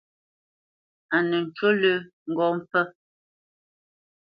A nə ncú lə́ ŋgó mpfə́.